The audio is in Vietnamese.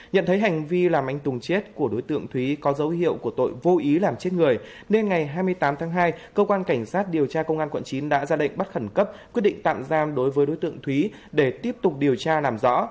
nhận thấy hành vi làm anh tùng chết của đối tượng thúy có dấu hiệu của tội vô ý làm chết người nên ngày hai mươi tám tháng hai cơ quan cảnh sát điều tra công an quận chín đã ra lệnh bắt khẩn cấp quyết định tạm giam đối với đối tượng thúy để tiếp tục điều tra làm rõ